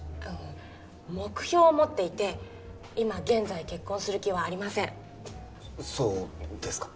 目標を持っていて今現在結婚する気はありませんそうですか